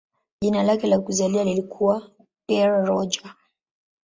Jina lake la kuzaliwa lilikuwa "Pierre Roger".